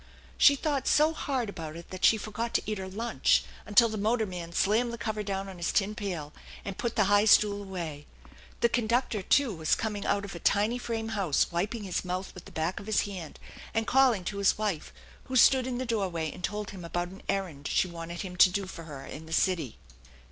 She thought so hard about it that she forgot to eat her lunch until the motorman slammed the cover down on his tin pail and put the high stool away. The conductor, too, was coming out of a tiny frame house, wiping his mouth with the back of his hand and calling to his wife, who stood in the doorway and told him about an errand she wanted him to do for her in the city.